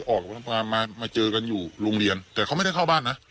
ออกมามาเจอกันอยู่โรงเรียนแต่เขาไม่ได้เข้าบ้านนะ